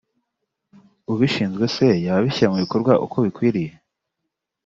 ubishinzwe se yaba abishyira mubikorwa uko bikwiriye